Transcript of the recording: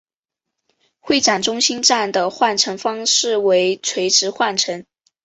会展中心站的换乘方式为垂直换乘。